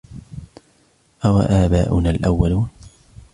أَوَ آبَاؤُنَا الأَوَّلُونَ